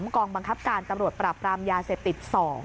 กองบังคับการตำรวจปราบรามยาเสพติด๒